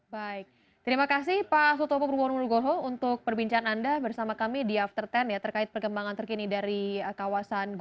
baik terima kasih pak sutopo purwono wulgoho untuk perbincangan anda bersama kami di after taking terkait perkembangan terkini dari kawasan gunung dieng